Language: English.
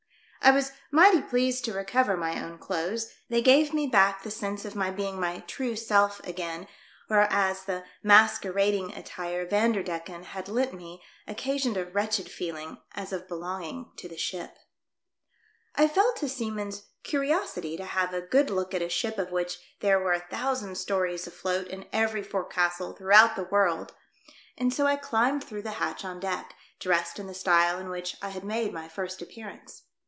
I was mighty pleased to recover my own clothes ; they gave me back the sense of my being my true self again, whereas the mas querading attire Vanderdecken had lent me occasioned a wretched feeling as of belonging to the ship. I felt a seaman's curiosity to have a good look at a ship of which there were a thousand stories afloat in every forecastle throughout the world, ;ind so I climbed THE DEATH SHH' MUST BE SLOW AT PLYING. I 45 through the hatch on deck, ch'essed in the style in which I had made my first appear ance.